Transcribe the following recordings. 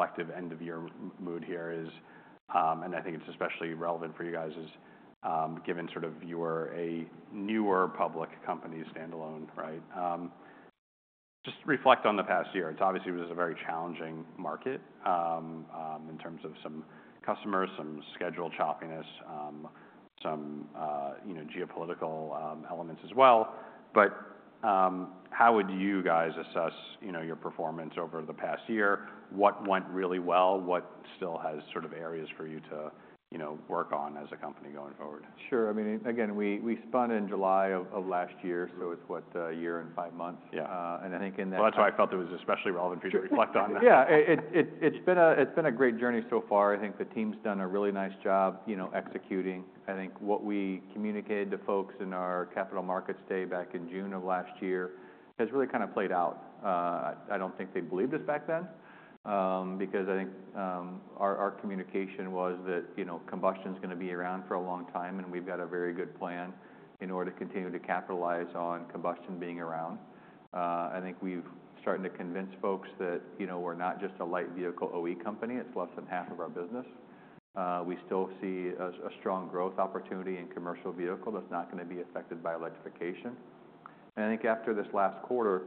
Reflective end-of-year mode here is, and I think it's especially relevant for you guys, given sort of you were a newer public company standalone, right? Just reflect on the past year. It's obviously was a very challenging market, in terms of some customers, some schedule choppiness, some, you know, geopolitical elements as well, but how would you guys assess, you know, your performance over the past year? What went really well? What still has sort of areas for you to, you know, work on as a company going forward? Sure. I mean, again, we spun in July of last year, so it's what, year and five months? Yeah. And I think in that. Well, that's why I felt it was especially relevant for you to reflect on that. Yeah. It's been a great journey so far. I think the team's done a really nice job, you know, executing. I think what we communicated to folks in our Capital Markets Day back in June of last year has really kinda played out. I don't think they believed us back then, because I think our communication was that, you know, combustion's gonna be around for a long time, and we've got a very good plan in order to continue to capitalize on combustion being around. I think we've started to convince folks that, you know, we're not just a light vehicle OE company. It's less than half of our business. We still see a strong growth opportunity in commercial vehicle that's not gonna be affected by electrification. I think after this last quarter,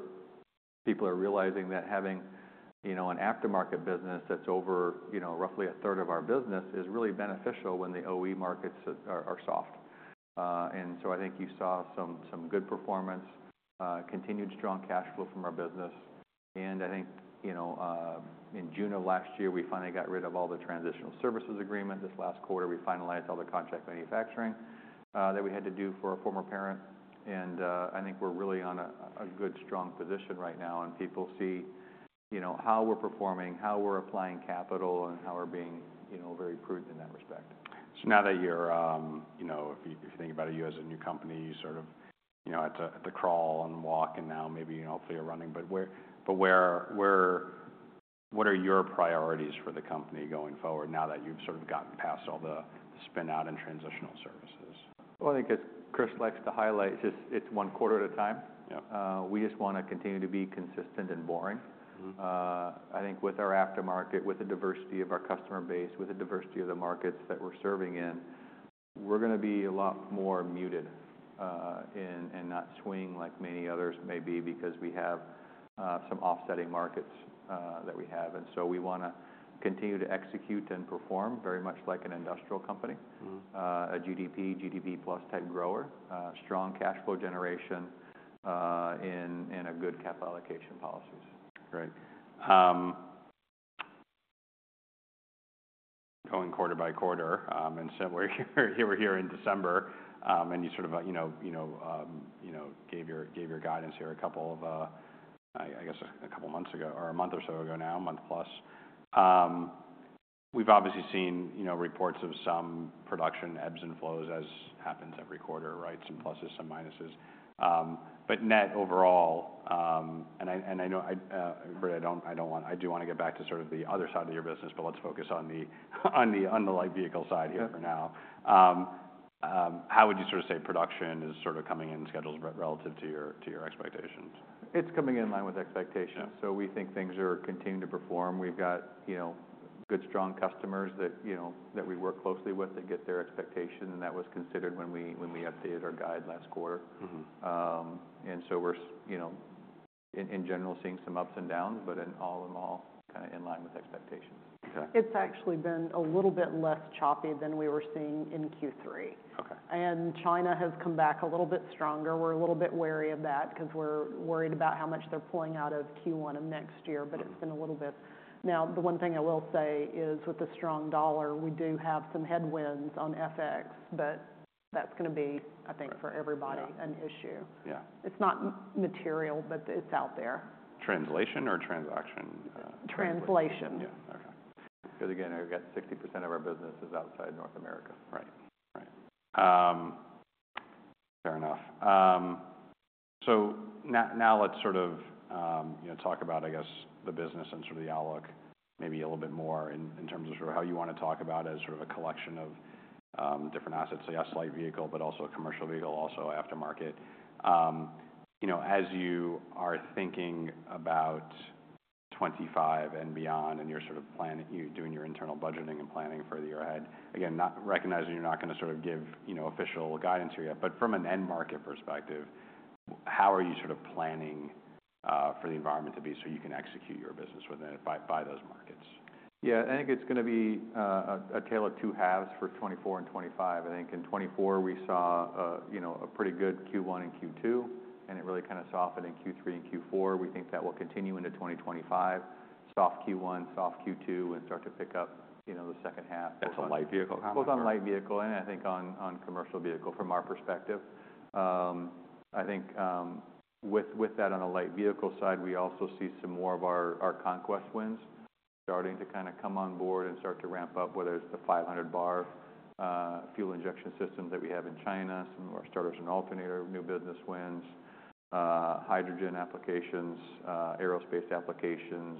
people are realizing that having, you know, an aftermarket business that's over, you know, roughly a third of our business is really beneficial when the OE markets are soft. And so I think you saw some good performance, continued strong cash flow from our business. And I think, you know, in June of last year, we finally got rid of all the Transitional Services Agreement. This last quarter, we finalized all the contract manufacturing that we had to do for a former parent. And I think we're really on a good, strong position right now, and people see, you know, how we're performing, how we're applying capital, and how we're being, you know, very prudent in that respect. Now that you're, you know, if you think about it, you as a new company, you sort of, you know, at the crawl and walk, and now maybe, you know, hopefully you're running. But where, what are your priorities for the company going forward now that you've sort of gotten past all the, the spin-out and transitional services? I think as Chris likes to highlight, it's just one quarter at a time. Yep. We just wanna continue to be consistent and boring. Mm-hmm. I think with our aftermarket, with the diversity of our customer base, with the diversity of the markets that we're serving in, we're gonna be a lot more muted, and, and not swing like many others maybe because we have some offsetting markets that we have. And so we wanna continue to execute and perform very much like an industrial company. Mm-hmm. A GDP, GDP plus type grower, strong cash flow generation, and a good capital allocation policies. Great. Going quarter by quarter, and so we're here in December, and you sort of, you know, gave your guidance here a couple of, I guess, a couple months ago or a month or so ago now, a month plus. We've obviously seen, you know, reports of some production ebbs and flows as happens every quarter, right? Some pluses, some minuses, but net overall, and I know I don't wanna, I do wanna get back to sort of the other side of your business, but let's focus on the light vehicle side here for now. Yep. How would you sort of say production is sort of coming in schedules relative to your expectations? It's coming in line with expectations. Yeah. So we think things are continuing to perform. We've got, you know, good, strong customers that, you know, that we work closely with that get their expectation, and that was considered when we updated our guide last quarter. Mm-hmm. And so we're, you know, in general seeing some ups and downs, but all in all, kinda in line with expectations. Okay. It's actually been a little bit less choppy than we were seeing in Q3. Okay. China has come back a little bit stronger. We're a little bit wary of that 'cause we're worried about how much they're pulling out of Q1 of next year. Mm-hmm. But it's been a little bit now, the one thing I will say is with the strong dollar, we do have some headwinds on FX, but that's gonna be, I think, for everybody. Right. An issue. Yeah. It's not material, but it's out there. Translation or transaction, transaction? Translation. Yeah. Okay. Cause again, I've got 60% of our business is outside North America. Right. Right. Fair enough. So now, now let's sort of, you know, talk about, I guess, the business and sort of the outlook maybe a little bit more in, in terms of sort of how you wanna talk about it as sort of a collection of different assets. So you have light vehicle, but also a commercial vehicle, also aftermarket. You know, as you are thinking about 2025 and beyond and you're sort of planning, you're doing your internal budgeting and planning for the year ahead, again, not recognizing you're not gonna sort of give, you know, official guidance here yet, but from an end market perspective, how are you sort of planning for the environment to be so you can execute your business within it by, by those markets? Yeah. I think it's gonna be a tale of two halves for 2024 and 2025. I think in 2024, we saw, you know, a pretty good Q1 and Q2, and it really kinda softened in Q3 and Q4. We think that will continue into 2025, soft Q1, soft Q2, and start to pick up, you know, the second half. That's a light vehicle conversation? Both on light vehicle and I think on commercial vehicle from our perspective. I think, with that on a light vehicle side, we also see some more of our conquest wins starting to kinda come on board and start to ramp up, whether it's the 500 bar fuel injection systems that we have in China, some of our starters and alternators new business wins, hydrogen applications, aerospace applications,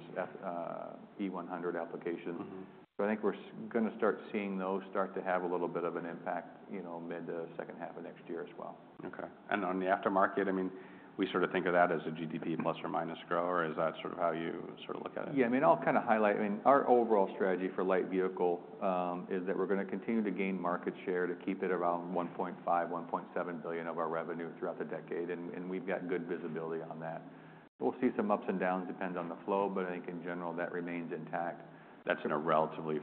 E100 applications. Mm-hmm. I think we're gonna start seeing those to have a little bit of an impact, you know, mid- to second half of next year as well. Okay. And on the aftermarket, I mean, we sort of think of that as a GDP plus or minus grower. Is that sort of how you sort of look at it? Yeah. I mean, I'll kinda highlight I mean, our overall strategy for light vehicle is that we're gonna continue to gain market share to keep it around $1.5-$1.7 billion of our revenue throughout the decade, and we've got good visibility on that. We'll see some ups and downs. Depends on the flow, but I think in general, that remains intact. That's in a relatively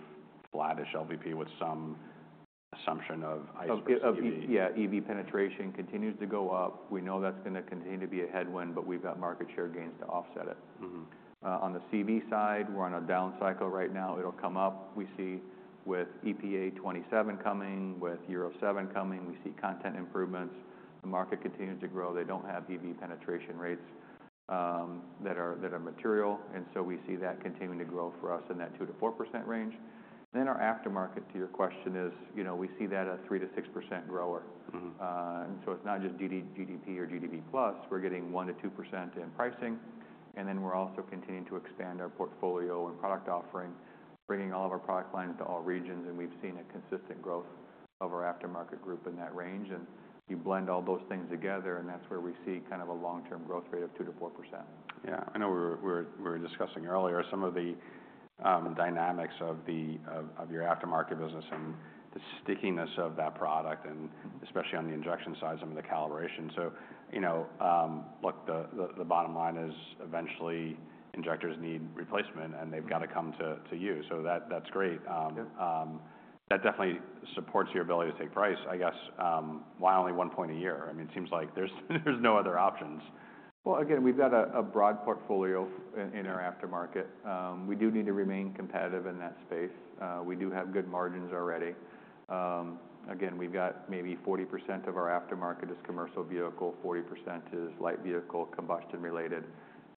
flat-ish LVP with some assumption of ICE? Of EV, yeah. EV penetration continues to go up. We know that's gonna continue to be a headwind, but we've got market share gains to offset it. Mm-hmm. On the CV side, we're on a down cycle right now. It'll come up. We see with EPA 2027 coming, with Euro 7 coming, we see content improvements. The market continues to grow. They don't have EV penetration rates that are material, and so we see that continuing to grow for us in that 2%-4% range. Then our aftermarket, to your question, is, you know, we see that a 3%-6% grower. Mm-hmm. And so it's not just the GDP or GDP plus. We're getting 1%-2% in pricing, and then we're also continuing to expand our portfolio and product offering, bringing all of our product lines to all regions, and we've seen a consistent growth of our aftermarket group in that range. And you blend all those things together, and that's where we see kind of a long-term growth rate of 2%-4%. Yeah. I know we were discussing earlier some of the dynamics of your aftermarket business and the stickiness of that product and. Mm-hmm. Especially on the injection side and some of the calibration, so you know, look, the bottom line is eventually injectors need replacement, and they've gotta come to you, so that's great. Yep. That definitely supports your ability to take price, I guess. Why only one point a year? I mean, it seems like there's no other options. Again, we've got a broad portfolio in our aftermarket. We do need to remain competitive in that space. We do have good margins already. Again, we've got maybe 40% of our aftermarket is commercial vehicle, 40% is light vehicle combustion related,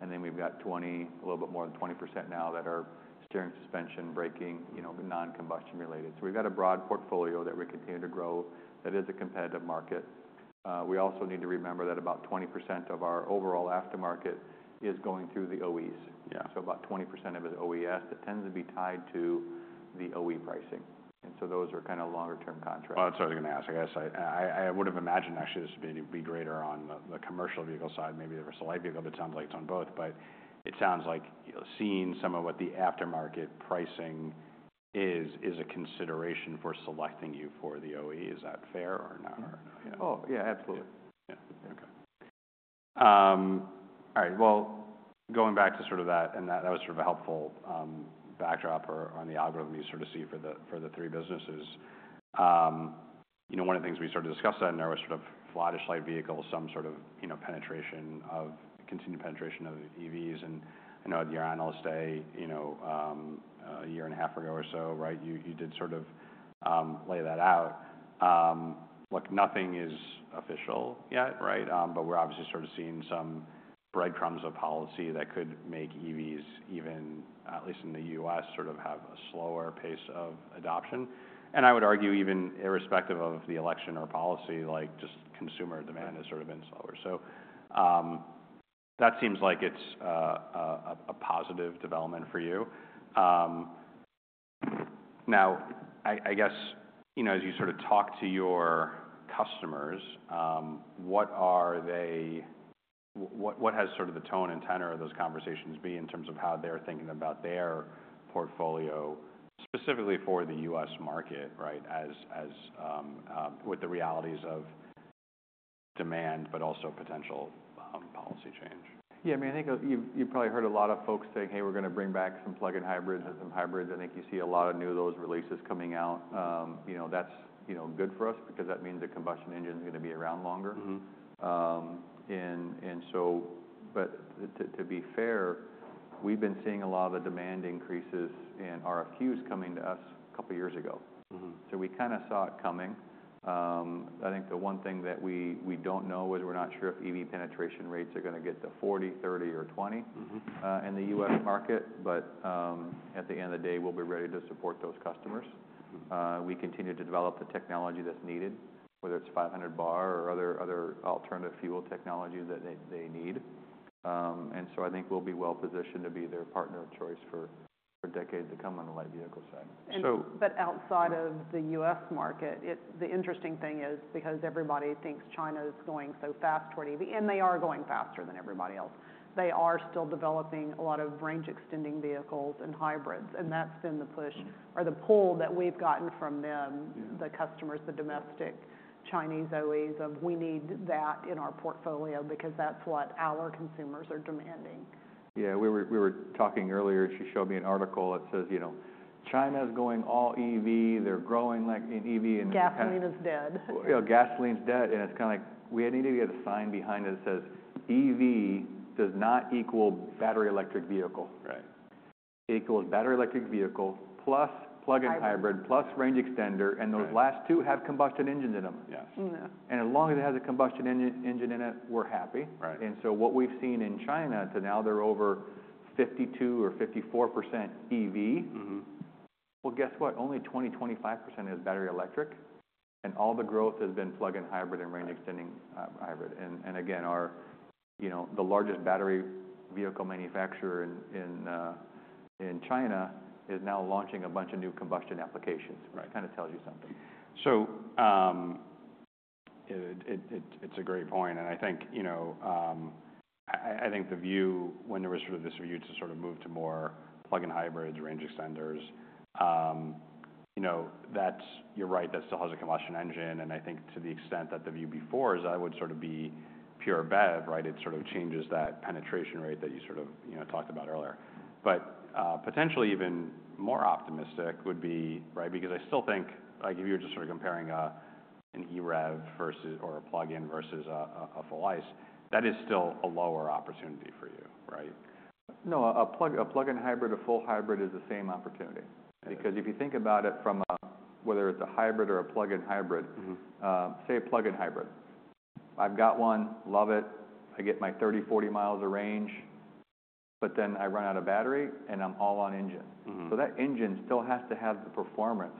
and then we've got 20, a little bit more than 20% now that are steering, suspension, braking, you know, non-combustion related. So we've got a broad portfolio that we continue to grow that is a competitive market. We also need to remember that about 20% of our overall aftermarket is going through the OEs. Yeah. So about 20% of it is OES. That tends to be tied to the OE pricing. And so those are kinda longer-term contracts. That's what I was gonna ask. I guess I would've imagined actually this would be greater on the commercial vehicle side, maybe versus the light vehicle, but it sounds like it's on both. But it sounds like, you know, seeing some of what the aftermarket pricing is, is a consideration for selecting you for the OE. Is that fair or no? Oh, yeah. Absolutely. Yeah. Okay. All right. Well, going back to sort of that, that was sort of a helpful backdrop or on the algorithm you sort of see for the three businesses. You know, one of the things we sort of discussed on there was sort of flattish light vehicle, some sort of, you know, continued penetration of EVs. I know at your Analyst Day, you know, a year and a half ago or so, right, you did sort of lay that out. Look, nothing is official yet, right? But we're obviously sort of seeing some breadcrumbs of policy that could make EVs even, at least in the U.S., sort of have a slower pace of adoption. I would argue even irrespective of the election or policy, like, just consumer demand has sort of been slower. So, that seems like it's a positive development for you. Now, I guess, you know, as you sort of talk to your customers, what are they, what has sort of the tone and tenor of those conversations be in terms of how they're thinking about their portfolio specifically for the U.S. market, right, as with the realities of demand but also potential policy change? Yeah. I mean, I think you've probably heard a lot of folks saying, "Hey, we're gonna bring back some plug-in hybrids and some hybrids." I think you see a lot of new of those releases coming out. You know, that's, you know, good for us because that means the combustion engine's gonna be around longer. Mm-hmm. To be fair, we've been seeing a lot of the demand increases in RFQs coming to us a couple years ago. Mm-hmm. So we kinda saw it coming. I think the one thing that we don't know is we're not sure if EV penetration rates are gonna get to 40, 30, or 20. Mm-hmm. In the U.S. market, but at the end of the day, we'll be ready to support those customers. Mm-hmm. We continue to develop the technology that's needed, whether it's 500 bar or other alternative fuel technologies that they need, and so I think we'll be well-positioned to be their partner of choice for decades to come on the light vehicle side. So. Outside of the U.S. market, it's the interesting thing because everybody thinks China is going so fast toward EV, and they are going faster than everybody else. They are still developing a lot of range-extending vehicles and hybrids, and that's been the push or the pull that we've gotten from them, the customers, the domestic Chinese OEs, of "We need that in our portfolio because that's what our consumers are demanding. Yeah. We were talking earlier, and she showed me an article that says, you know, "China's going all EV. They're growing like in EV and gas. Gasoline is dead. You know, gasoline's dead, and it's kinda like we need to get a sign behind it that says, "EV does not equal battery electric vehicle. Right. Equals battery electric vehicle plus plug-in hybrid plus range extender, and those last two have combustion engines in them. Yes. Yeah. As long as it has a combustion engine in it, we're happy. Right. So what we've seen in China to now, they're over 52% or 54% EV. Mm-hmm. Guess what? Only 20%-25% is battery electric, and all the growth has been plug-in hybrid and range-extending hybrid. And again, you know, the largest battery vehicle manufacturer in China is now launching a bunch of new combustion applications. Right. It kinda tells you something. So, it's a great point, and I think, you know, I think the view when there was sort of this view to sort of move to more plug-in hybrids, range extenders, you know, that's, you're right. That still has a combustion engine, and I think to the extent that the view before is I would sort of be pure BEV, right? It sort of changes that penetration rate that you sort of, you know, talked about earlier. But, potentially even more optimistic would be, right, because I still think, like, if you were just sort of comparing an EREV versus or a plug-in versus a full ICE, that is still a lower opportunity for you, right? No, a plug-in hybrid, a full hybrid is the same opportunity. Yeah. Because if you think about it from a whether it's a hybrid or a plug-in hybrid. Mm-hmm. Say, a plug-in hybrid. I've got one, love it. I get my 30-40 miles of range, but then I run out of battery, and I'm all on engine. Mm-hmm. So that engine still has to have the performance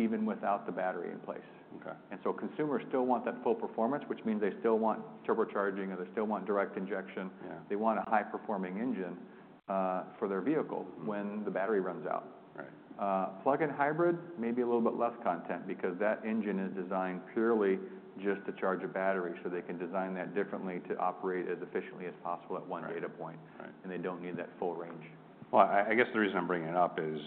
even without the battery in place. Okay. Consumers still want that full performance, which means they still want turbocharging or they still want direct injection. Yeah. They want a high-performing engine, for their vehicle. Mm-hmm. When the battery runs out. Right. Plug-in hybrid, maybe a little bit less content because that engine is designed purely just to charge a battery, so they can design that differently to operate as efficiently as possible at one data point. Right. Right. And they don't need that full range. I guess the reason I'm bringing it up is,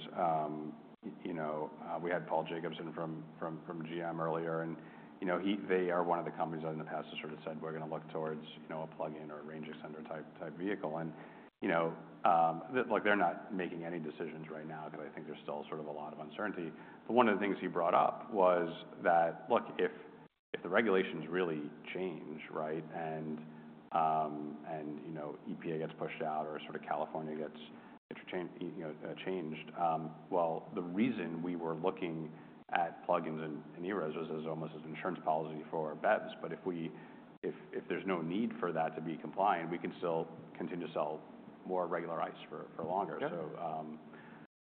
you know, we had Paul Jacobson from GM earlier, and, you know, he they are one of the companies that in the past has sort of said, "We're gonna look towards, you know, a plug-in or a range extender type vehicle." And, you know, like, they're not making any decisions right now 'cause I think there's still sort of a lot of uncertainty. But one of the things he brought up was that, look, if the regulations really change, right, and, you know, EPA gets pushed out or sort of California gets interchanged, you know, changed. The reason we were looking at plug-ins and EREVs was almost as insurance policy for BEVs. But if there's no need for that to be compliant, we can still continue to sell more regular ICE for longer. Yeah.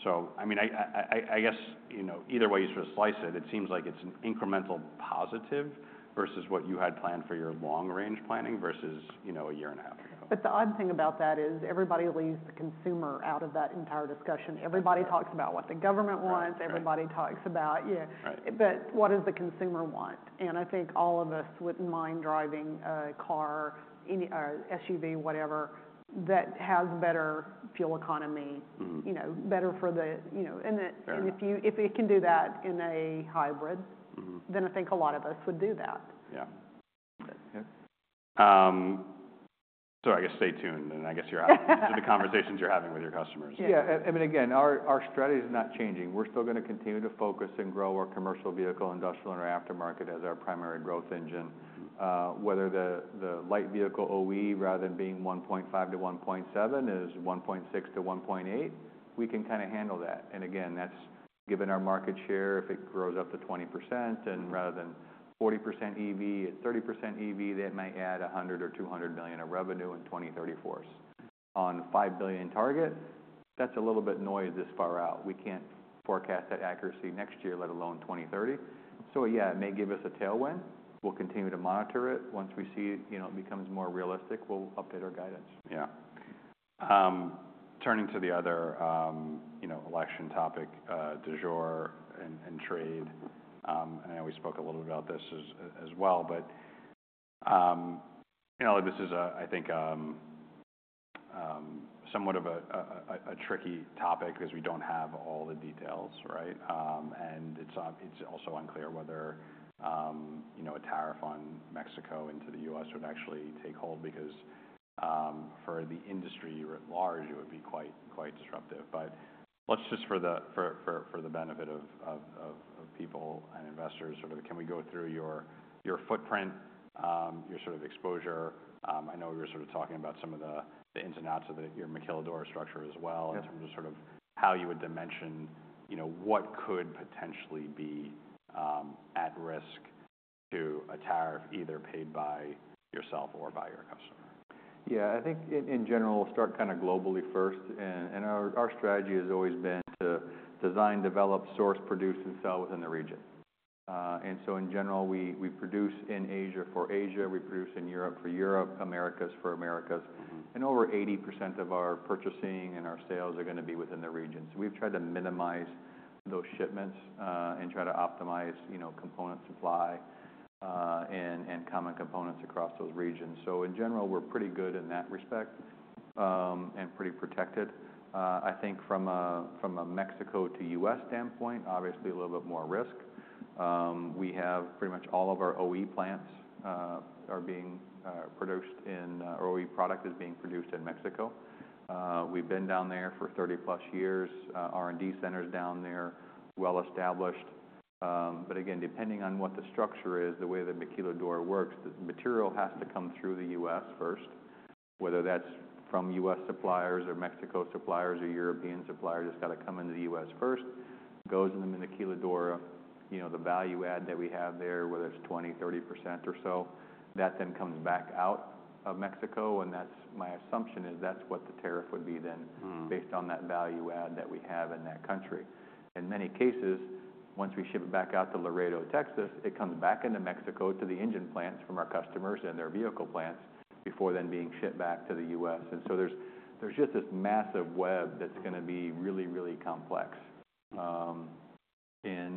I mean, I guess, you know, either way you sort of slice it, it seems like it's an incremental positive versus what you had planned for your long-range planning versus, you know, a year and a half ago. But the odd thing about that is everybody leaves the consumer out of that entire discussion. Everybody talks about what the government wants. Everybody talks about, yeah. Right. But what does the consumer want? And I think all of us wouldn't mind driving a car, any SUV, whatever, that has better fuel economy. Mm-hmm. You know, better for the, you know. Yeah. And if it can do that in a hybrid. Mm-hmm. Then I think a lot of us would do that. Yeah. Yeah. So I guess stay tuned, and I guess you're happy to the conversations you're having with your customers. Yeah. I mean, again, our strategy is not changing. We're still gonna continue to focus and grow our commercial vehicle industrial and our aftermarket as our primary growth engine. Mm-hmm. Whether the light vehicle OE rather than being 1.5-1.7 is 1.6-1.8, we can kinda handle that. And again, that's given our market share. If it grows up to 20% and rather than 40% EV, it's 30% EV, that might add $100 million or $200 million of revenue in 2034. Mm-hmm. On $5 billion target, that's a little bit noisy this far out. We can't forecast that accuracy next year, let alone 2030. So yeah, it may give us a tailwind. We'll continue to monitor it. Once we see, you know, it becomes more realistic, we'll update our guidance. Yeah, turning to the other, you know, election topic du jour and trade, and I know we spoke a little bit about this as well, but you know, this is, I think, somewhat of a tricky topic 'cause we don't have all the details, right? And it's also unclear whether, you know, a tariff on Mexico into the U.S. would actually take hold because for the industry at large, it would be quite disruptive. But let's just for the benefit of people and investors, sort of can we go through your footprint, your sort of exposure? I know we were sort of talking about some of the ins and outs of your maquiladora structure as well. Yes. In terms of sort of how you would dimension, you know, what could potentially be at risk to a tariff either paid by yourself or by your customer. Yeah. I think in general, we'll start kinda globally first, and our strategy has always been to design, develop, source, produce, and sell within the region, and so in general, we produce in Asia for Asia. We produce in Europe for Europe, Americas for Americas. Mm-hmm. Over 80% of our purchasing and our sales are gonna be within the region. We've tried to minimize those shipments, and try to optimize, you know, component supply, and common components across those regions. So in general, we're pretty good in that respect, and pretty protected. I think from a Mexico to U.S. standpoint, obviously a little bit more risk. We have pretty much all of our OE plants, or OE product is being produced in Mexico. We've been down there for 30-plus years. R&D center's down there, well-established. But again, depending on what the structure is, the way that maquiladora works, the material has to come through the U.S. first, whether that's from U.S. suppliers or Mexico suppliers or European suppliers. It's gotta come into the U.S. first, goes into maquiladora, you know, the value add that we have there, whether it's 20%-30% or so, that then comes back out of Mexico. And that's my assumption is that's what the tariff would be then. Mm-hmm. Based on that value add that we have in that country. In many cases, once we ship it back out to Laredo, Texas, it comes back into Mexico to the engine plants from our customers and their vehicle plants before then being shipped back to the U.S. And so there's just this massive web that's gonna be really, really complex,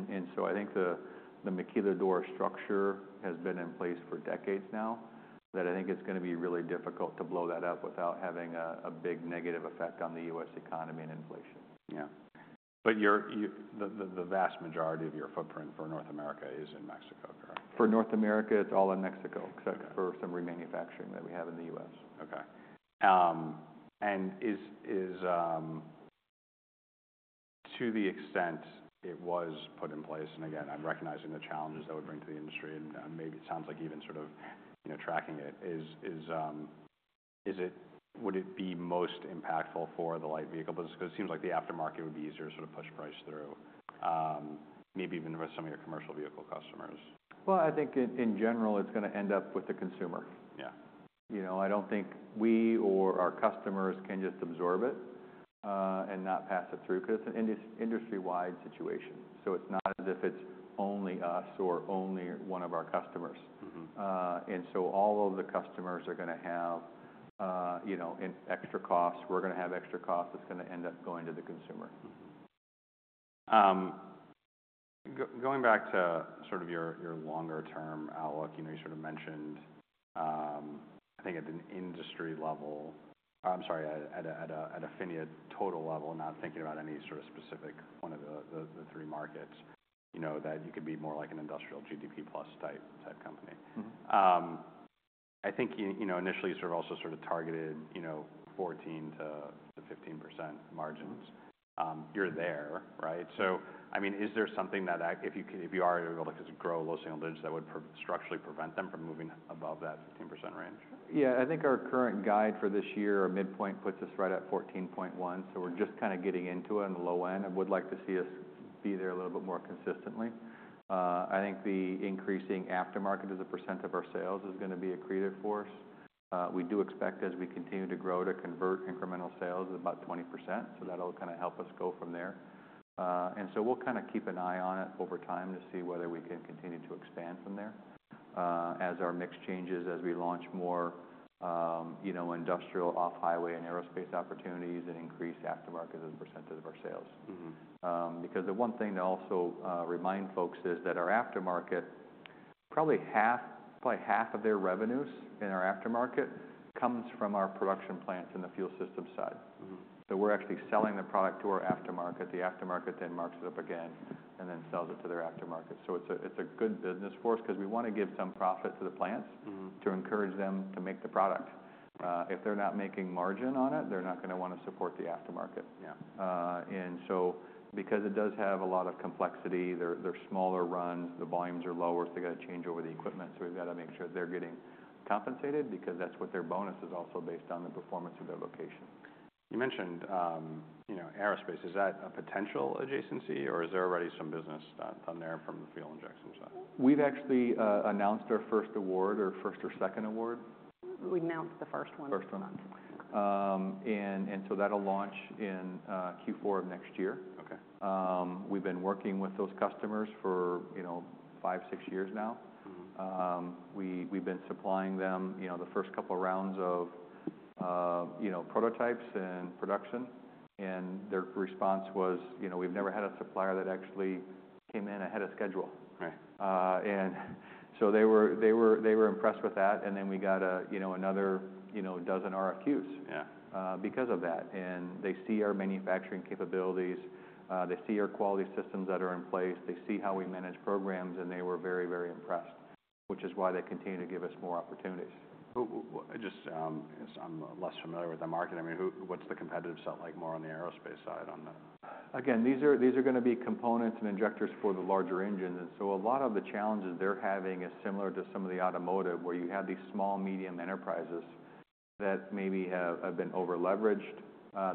and so I think the maquiladora structure has been in place for decades now that I think it's gonna be really difficult to blow that up without having a big negative effect on the U.S. economy and inflation. Yeah. But the vast majority of your footprint for North America is in Mexico, correct? For North America, it's all in Mexico except for some remanufacturing that we have in the U.S. Okay, and is, to the extent it was put in place, and again, I'm recognizing the challenges that would bring to the industry, and maybe it sounds like even sort of, you know, tracking it. Would it be most impactful for the light vehicle business 'cause it seems like the aftermarket would be easier to sort of push price through, maybe even with some of your commercial vehicle customers? I think in general, it's gonna end up with the consumer. Yeah. You know, I don't think we or our customers can just absorb it, and not pass it through 'cause it's an industry-wide situation. So it's not as if it's only us or only one of our customers. Mm-hmm. And so all of the customers are gonna have, you know, in extra costs. We're gonna have extra costs that's gonna end up going to the consumer. Mm-hmm. Going back to sort of your longer-term outlook, you know, you sort of mentioned, I think at an industry level or I'm sorry, at a PHINIA total level, not thinking about any sort of specific one of the three markets, you know, that you could be more like an industrial GDP plus type company. Mm-hmm. I think you know initially sort of also targeted you know 14%-15% margins. Mm-hmm. You're there, right? So I mean, is there something that if you are able to grow low single digits, that would per se structurally prevent them from moving above that 15% range? Yeah. I think our current guide for this year, our midpoint puts us right at 14.1%, so we're just kinda getting into it on the low end. I would like to see us be there a little bit more consistently. I think the increasing aftermarket as a % of our sales is gonna be a creative force. We do expect as we continue to grow to convert incremental sales at about 20%, so that'll kinda help us go from there. So we'll kinda keep an eye on it over time to see whether we can continue to expand from there, as our mix changes, as we launch more, you know, industrial off-highway and aerospace opportunities and increase aftermarket as a percentage of our sales. Mm-hmm. Because the one thing to also remind folks is that our aftermarket, probably half of their revenues in our aftermarket comes from our production plants in the fuel system side. Mm-hmm. So we're actually selling the product to our aftermarket. The aftermarket then marks it up again and then sells it to their aftermarket. So it's a good business for us 'cause we wanna give some profit to the plants. Mm-hmm. To encourage them to make the product. If they're not making margin on it, they're not gonna wanna support the aftermarket. Yeah. And so because it does have a lot of complexity, they're smaller runs, the volumes are lower, so they gotta change over the equipment. So we've gotta make sure they're getting compensated because that's what their bonus is also based on, the performance of their location. You mentioned, you know, aerospace. Is that a potential adjacency, or is there already some business done on there from the fuel injection side? We've actually announced our first award or first or second award. We announced the first one this month. First one, and so that'll launch in Q4 of next year. Okay. We've been working with those customers for, you know, five, six years now. Mm-hmm. We've been supplying them, you know, the first couple rounds of, you know, prototypes and production, and their response was, you know, we've never had a supplier that actually came in ahead of schedule. Right. And so they were impressed with that, and then we got a, you know, another, you know, dozen RFQs. Yeah. Because of that. And they see our manufacturing capabilities. They see our quality systems that are in place. They see how we manage programs, and they were very, very impressed, which is why they continue to give us more opportunities. As I'm less familiar with the market, I mean, what's the competitive set like more on the aerospace side on the? Again, these are gonna be components and injectors for the larger engines. And so a lot of the challenges they're having is similar to some of the automotive where you have these small, medium enterprises that maybe have been over-leveraged.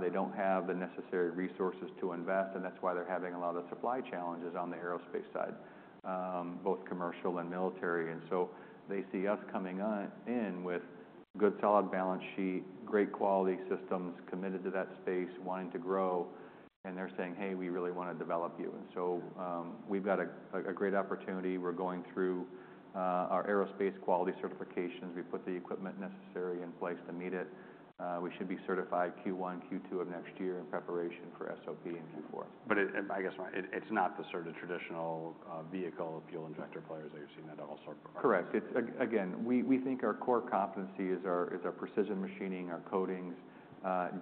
They don't have the necessary resources to invest, and that's why they're having a lot of supply challenges on the aerospace side, both commercial and military. And so they see us coming on in with good solid balance sheet, great quality systems, committed to that space, wanting to grow, and they're saying, "Hey, we really wanna develop you." And so, we've got a great opportunity. We're going through our aerospace quality certifications. We put the equipment necessary in place to meet it. We should be certified Q1, Q2 of next year in preparation for SOP in Q4. But, I guess, right, it's not the sort of traditional vehicle fuel injector players that you've seen that also are? Correct. It's again, we think our core competency is our precision machining, our coatings,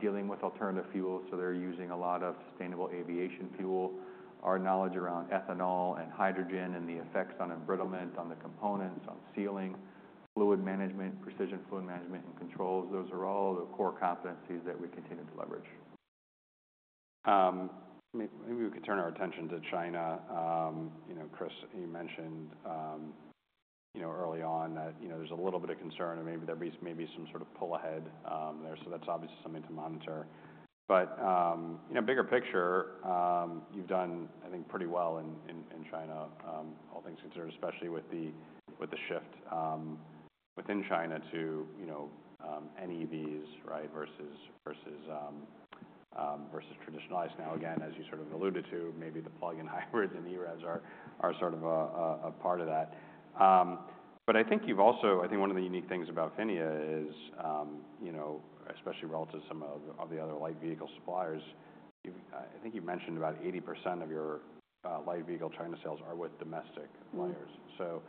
dealing with alternative fuels. So they're using a lot of sustainable aviation fuel, our knowledge around ethanol and hydrogen and the effects on embrittlement on the components, on sealing, fluid management, precision fluid management, and controls. Those are all the core competencies that we continue to leverage. Maybe we could turn our attention to China. You know, Chris, you mentioned, you know, early on that, you know, there's a little bit of concern and maybe there be maybe some sort of pull ahead, there. So that's obviously something to monitor. But, you know, bigger picture, you've done, I think, pretty well in, in, in China, all things considered, especially with the with the shift, within China to, you know, NEVs, right, versus, versus, versus traditionali ICE. Now, again, as you sort of alluded to, maybe the plug-in hybrids and EREVs are, are sort of a, a, a part of that. But I think you've also I think one of the unique things about PHINIA is, you know, especially relative to some of, of the other light vehicle suppliers, you've I think you mentioned about 80% of your light vehicle China sales are with domestic players. Mm-hmm. So,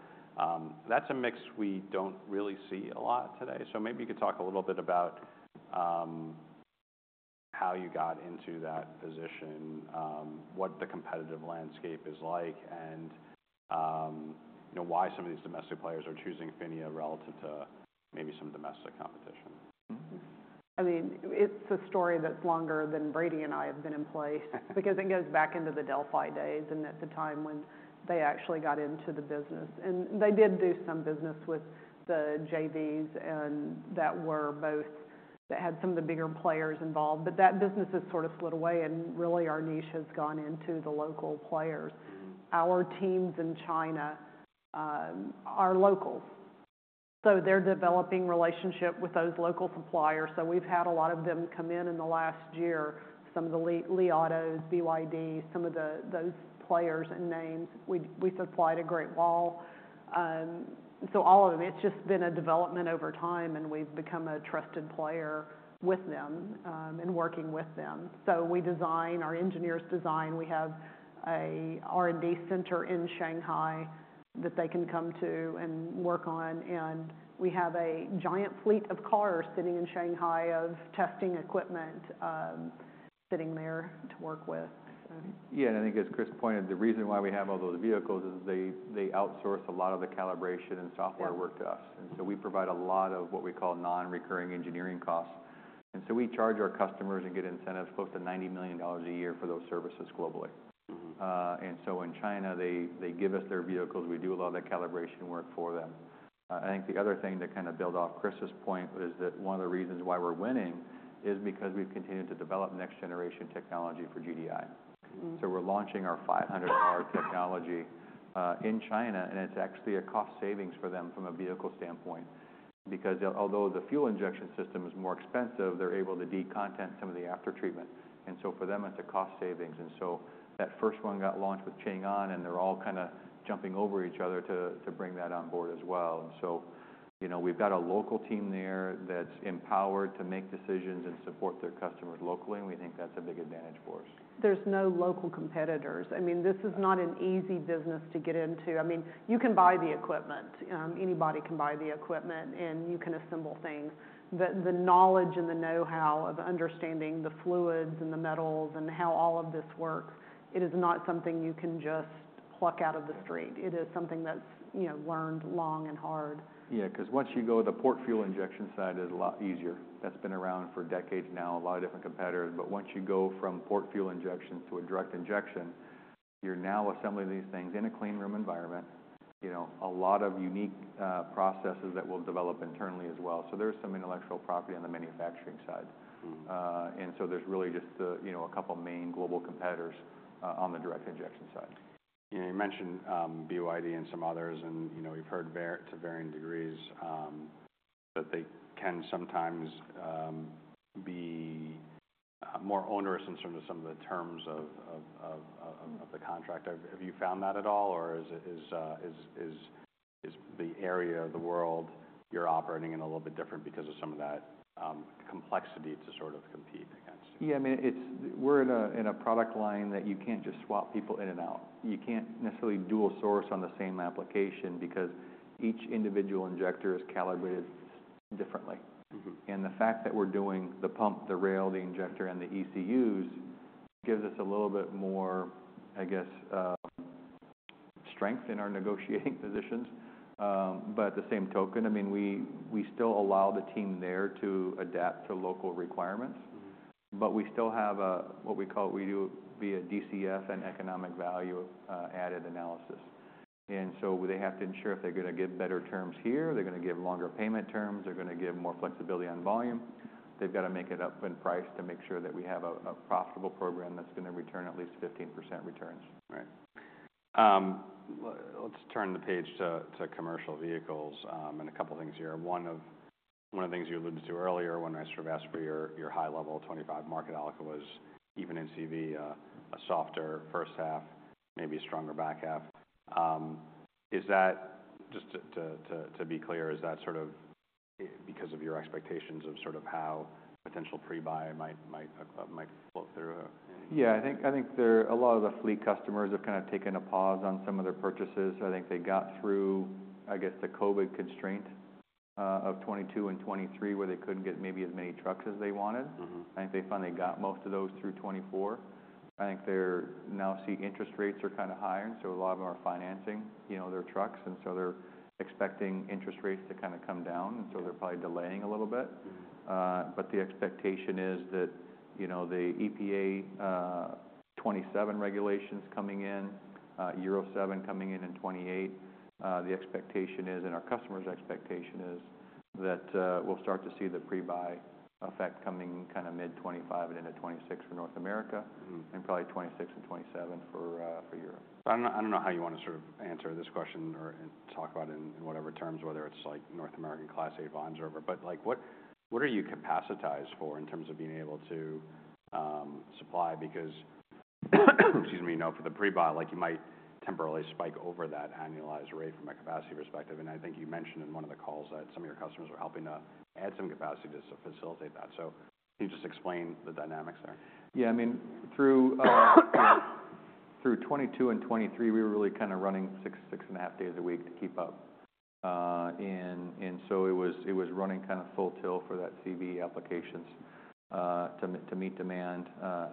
that's a mix we don't really see a lot today. So maybe you could talk a little bit about, how you got into that position, what the competitive landscape is like, and, you know, why some of these domestic players are choosing PHINIA relative to maybe some domestic competition. Mm-hmm. I mean, it's a story that's longer than Brady and I have been employed because it goes back into the Delphi days and at the time when they actually got into the business, and they did do some business with the JVs and that were both that had some of the bigger players involved, but that business has sort of slid away, and really our niche has gone into the local players. Mm-hmm. Our teams in China are locals, so they're developing relationship with those local suppliers, so we've had a lot of them come in in the last year, some of the Li Auto, BYD, some of those players and names. We supplied Great Wall, so all of them, it's just been a development over time, and we've become a trusted player with them, and working with them. Our engineers design. We have a R&D center in Shanghai that they can come to and work on, and we have a giant fleet of cars sitting in Shanghai of testing equipment, sitting there to work with. Yeah. And I think as Chris pointed, the reason why we have all those vehicles is they, they outsource a lot of the calibration and software work to us. Mm-hmm. We provide a lot of what we call non-recurring engineering costs. We charge our customers and get incentives close to $90 million a year for those services globally. Mm-hmm. And so in China, they give us their vehicles. We do a lot of that calibration work for them. I think the other thing to kinda build off Chris' point is that one of the reasons why we're winning is because we've continued to develop next-generation technology for GDI. Mm-hmm. So we're launching our 500-bar technology in China, and it's actually a cost savings for them from a vehicle standpoint because they'll, although the fuel injection system is more expensive, they're able to decontent some of the aftertreatment. And so for them, it's a cost savings. And so that first one got launched with Changan, and they're all kinda jumping over each other to bring that on board as well. And so, you know, we've got a local team there that's empowered to make decisions and support their customers locally, and we think that's a big advantage for us. There's no local competitors. I mean, this is not an easy business to get into. I mean, you can buy the equipment. Anybody can buy the equipment, and you can assemble things. The knowledge and the know-how of understanding the fluids and the metals and how all of this works, it is not something you can just pluck out of the street. It is something that's, you know, learned long and hard. Yeah. Cause once you go to the port fuel injection side, it's a lot easier. That's been around for decades now, a lot of different competitors. But once you go from port fuel injection to a direct injection, you're now assembling these things in a clean room environment, you know, a lot of unique, processes that will develop internally as well. So there's some intellectual property on the manufacturing side. Mm-hmm. And so there's really just, you know, a couple main global competitors on the direct injection side. You know, you mentioned BYD and some others, and you know, we've heard to varying degrees that they can sometimes be more onerous in terms of some of the terms of the contract. Have you found that at all, or is the area of the world you're operating in a little bit different because of some of that complexity to sort of compete against? Yeah. I mean, it's, we're in a product line that you can't just swap people in and out. You can't necessarily dual source on the same application because each individual injector is calibrated differently. Mm-hmm. And the fact that we're doing the pump, the rail, the injector, and the ECUs gives us a little bit more, I guess, strength in our negotiating positions. But at the same token, I mean, we still allow the team there to adapt to local requirements. Mm-hmm. But we still have a, what we call, we do via DCF and Economic Value Added analysis. And so they have to ensure if they're gonna give better terms here, they're gonna give longer payment terms, they're gonna give more flexibility on volume. They've gotta make it up in price to make sure that we have a profitable program that's gonna return at least 15% returns. Right. Let's turn the page to commercial vehicles, and a couple things here. One of the things you alluded to earlier, when I sort of asked for your high-level 25 market allocation, was even in CV, a softer first half, maybe stronger back half. Is that just to be clear, is that sort of it because of your expectations of sort of how potential pre-buy might flow through? Yeah. I think there are a lot of the fleet customers have kinda taken a pause on some of their purchases. I think they got through, I guess, the COVID constraint, of 2022 and 2023 where they couldn't get maybe as many trucks as they wanted. Mm-hmm. I think they finally got most of those through 2024. I think they're now seeing interest rates are kinda higher, and so a lot of them are financing, you know, their trucks, and so they're expecting interest rates to kinda come down, and so they're probably delaying a little bit. Mm-hmm. But the expectation is that, you know, the EPA 2027 regulations coming in, Euro 7 coming in in 2028, the expectation is, and our customer's expectation is that, we'll start to see the pre-buy effect coming kinda mid-2025 and into 2026 for North America. Mm-hmm. And probably 2026 and 2027 for Europe. I don't know how you wanna sort of answer this question or and talk about it in whatever terms, whether it's like North American Class A vans or whatever. But, like, what are you capacitated for in terms of being able to supply? Because, excuse me, you know, for the pre-buy, like, you might temporarily spike over that annualized rate from a capacity perspective. And I think you mentioned in one of the calls that some of your customers were helping to add some capacity to facilitate that. So can you just explain the dynamics there? Yeah. I mean, through 2022 and 2023, we were really kinda running six and a half days a week to keep up. And so it was running kinda full tilt for that CV applications to meet demand.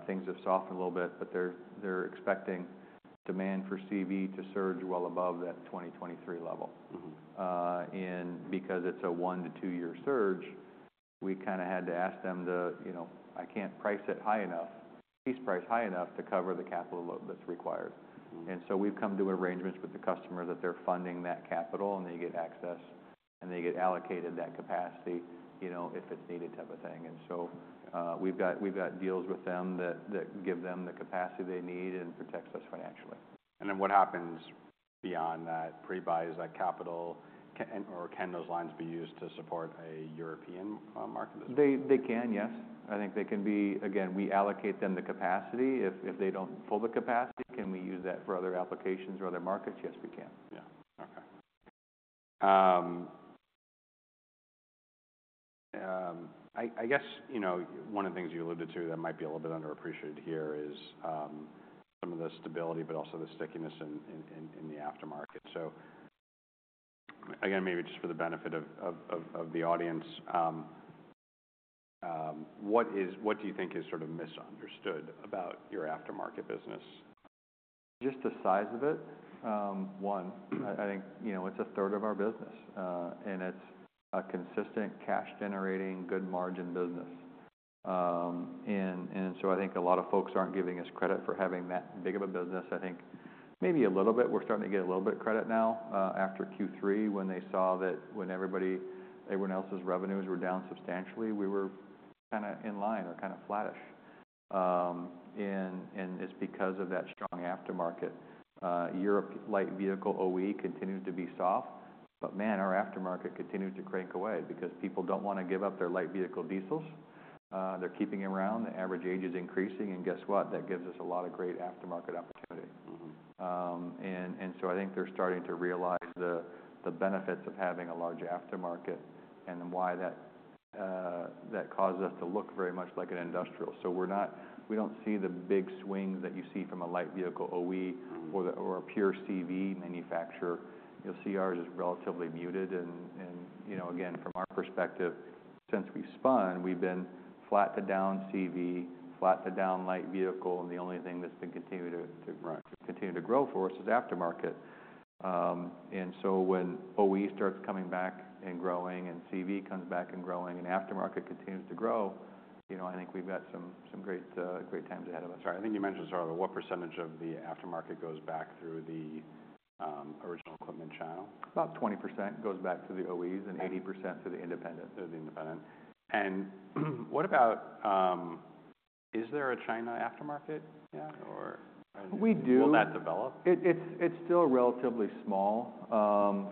Things have softened a little bit, but they're expecting demand for CV to surge well above that 2023 level. Mm-hmm. And because it's a one- to two-year surge, we kinda had to ask them to, you know, I can't price it high enough, piece price high enough to cover the capital load that's required. Mm-hmm. And so we've come to an arrangement with the customer that they're funding that capital, and they get access, and they get allocated that capacity, you know, if it's needed type of thing. And so, we've got deals with them that give them the capacity they need and protects us financially. What happens beyond that pre-buy is that capital can or can those lines be used to support a European market? They can, yes. I think they can. Again, we allocate them the capacity. If they don't pull the capacity, can we use that for other applications or other markets? Yes, we can. Yeah. Okay. I guess, you know, one of the things you alluded to that might be a little bit underappreciated here is some of the stability but also the stickiness in the aftermarket. So again, maybe just for the benefit of the audience, what do you think is sort of misunderstood about your aftermarket business? Just the size of it. One, I think you know, it's a third of our business, and it's a consistent cash-generating, good margin business. So I think a lot of folks aren't giving us credit for having that big of a business. I think maybe a little bit we're starting to get a little bit of credit now, after Q3 when they saw that when everyone else's revenues were down substantially, we were kinda in line or kinda flattish, and it's because of that strong aftermarket. Europe light vehicle OE continues to be soft, but man, our aftermarket continues to crank away because people don't wanna give up their light vehicle diesels. They're keeping around. The average age is increasing, and guess what? That gives us a lot of great aftermarket opportunity. Mm-hmm. So I think they're starting to realize the benefits of having a large aftermarket and why that causes us to look very much like an industrial. So we're not. We don't see the big swings that you see from a light vehicle OE. Mm-hmm. Or a pure CV manufacturer. You'll see ours is relatively muted. And, you know, again, from our perspective, since we've spun, we've been flat to down CV, flat to down light vehicle, and the only thing that's been continuing to. Right. Continue to grow for us is aftermarket, and so when OE starts coming back and growing and CV comes back and growing and aftermarket continues to grow, you know, I think we've got some, some great, great times ahead of us. Sorry. I think you mentioned sort of what percentage of the aftermarket goes back through the original equipment channel? About 20% goes back to the OEs and 80% to the independent. To the independent and what about, is there a China aftermarket yet or? We do. Will that develop? It's still relatively small,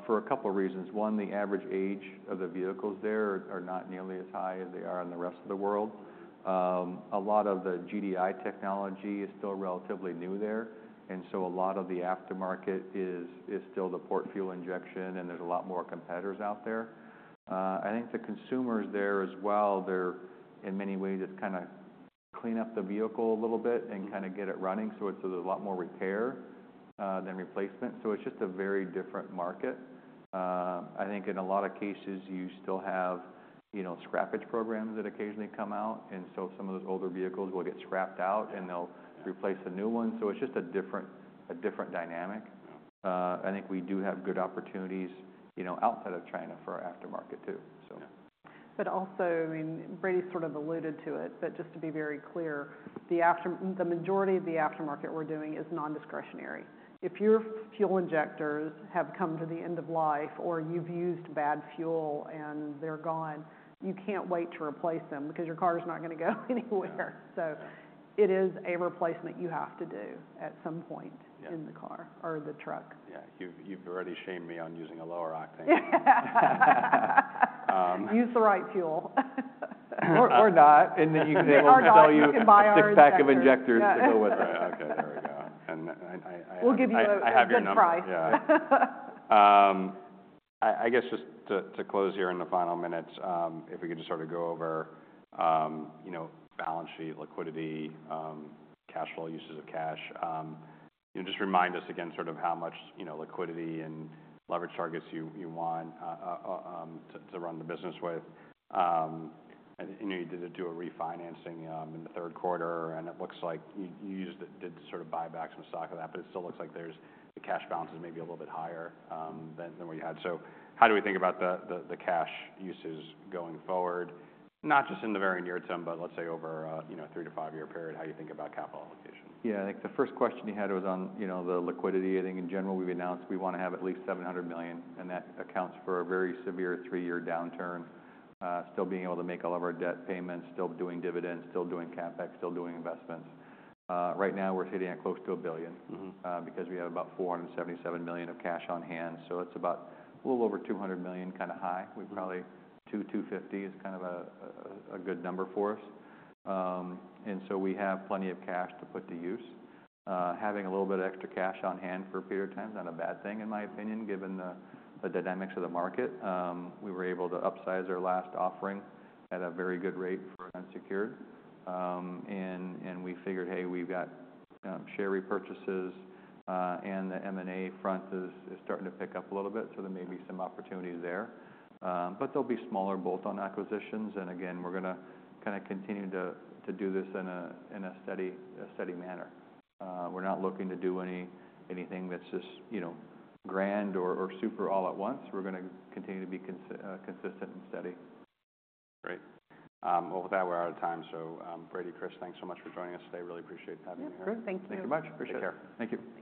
for a couple reasons. One, the average age of the vehicles there are not nearly as high as they are in the rest of the world. A lot of the GDI technology is still relatively new there, and so a lot of the aftermarket is still the port fuel injection, and there's a lot more competitors out there. I think the consumers there as well, they're in many ways it's kinda clean up the vehicle a little bit and kinda get it running. So it's a lot more repair than replacement. So it's just a very different market. I think in a lot of cases, you still have, you know, scrappage programs that occasionally come out, and so some of those older vehicles will get scrapped out, and they'll replace a new one. So it's just a different dynamic. Yeah. I think we do have good opportunities, you know, outside of China for our aftermarket too, so. Yeah. But also, I mean, Brady sort of alluded to it, but just to be very clear, the majority of the aftermarket we're doing is non-discretionary. If your fuel injectors have come to the end of life or you've used bad fuel and they're gone, you can't wait to replace them because your car's not gonna go anywhere. So it is a replacement you have to do at some point. Yeah. In the car or the truck. Yeah. You've, you've already shamed me on using a lower octane. Use the right fuel. Or, or not. And then you can say, "Well, we'll sell you a six-pack of injectors to go with it. Right. Okay. There we go. And I appreciate the surprise. We'll give you a surprise. Yeah. I guess just to close here in the final minutes, if we could just sort of go over, you know, balance sheet, liquidity, cash flow, uses of cash, you know, just remind us again sort of how much, you know, liquidity and leverage targets you want to run the business with. And you know, you did a refinancing in the third quarter, and it looks like you used it to sort of buy back some stock with that, but it still looks like the cash balance is maybe a little bit higher than what you had. So how do we think about the cash uses going forward, not just in the very near term, but let's say over a three- to five-year period, how you think about capital allocation? Yeah. I think the first question you had was on, you know, the liquidity. I think in general, we've announced we wanna have at least $700 million, and that accounts for a very severe three-year downturn, still being able to make all of our debt payments, still doing dividends, still doing CapEx, still doing investments. Right now, we're hitting at close to $1 billion. Mm-hmm. Because we have about $477 million of cash on hand. So it's about a little over $200 million, kinda high. We probably $225 million is kind of a good number for us. And so we have plenty of cash to put to use. Having a little bit of extra cash on hand for a period of time's not a bad thing, in my opinion, given the dynamics of the market. We were able to upsize our last offering at a very good rate for unsecured. And we figured, "Hey, we've got share repurchases, and the M&A front is starting to pick up a little bit, so there may be some opportunities there." But they'll be smaller bolt-on acquisitions. And again, we're gonna kinda continue to do this in a steady manner. We're not looking to do anything that's just, you know, grand or super all at once. We're gonna continue to be consistent and steady. Great. Well, with that, we're out of time. So, Brady, Chris, thanks so much for joining us today. Really appreciate having you here. Yeah. Good. Thank you. Thank you very much. Appreciate it. Take care. Thank you.